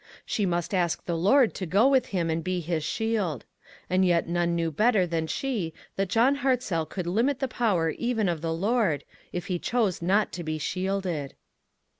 She must ask the Lord to go with him and be his shield. And yet none knew better than she that John Hartzell could limit the power even of the Lord, if he chose not to be shielded.